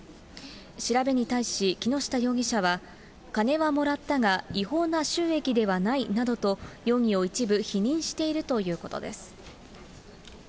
調べに対し、木下容疑者は金はもらったが、違法な収益ではないなどと、容疑を一部否認しているということです。